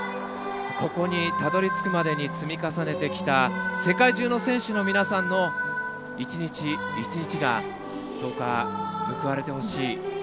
ここにたどりつくまでに積み重ねてきた世界中の選手の皆さんの一日、一日がどうか報われてほしい。